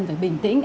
phải bình tĩnh